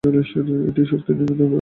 এটিই শক্তির নিম্নতম আপেক্ষিক অবস্থান।